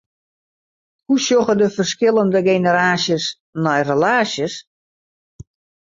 Hoe sjogge de ferskillende generaasjes nei relaasjes?